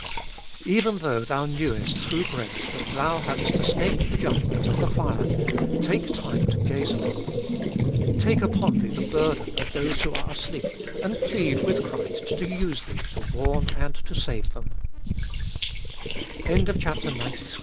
2. Even though thou hnewest, through grace, that thou hadst escaped the judgment and the fire, take time to gaze upon them. Take upon thee the burden of those who are asleep, and pleati with Christ to use thee to warn a